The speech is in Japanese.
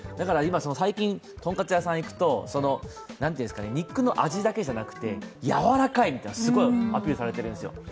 最近とんかつ屋さんに行くと、肉の味だけじゃなくて柔らかいみたいなことがすごいアピールされているんですよ。